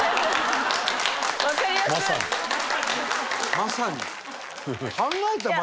まさに。